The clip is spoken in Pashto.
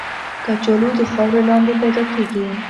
کچالو د خاورې لاندې پیدا کېږي